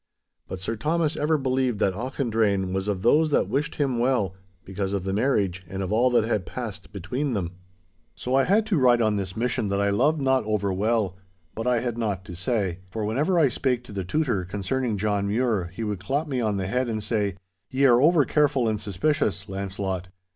But Sir Thomas ever believed that Auchendrayne was of those that wished him well, because of the marriage and of all that had passed between them. So I had to ride on this mission that I loved not over well. But I had nought to say. For whenever I spake to the Tutor concerning John Mure, he would clap me on the head and say, 'Ye are overcareful and suspicious, Launcelot.